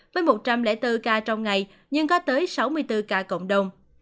với một trăm linh bốn ca trong ngày nhưng có tới sáu mươi bốn ca cộng đồng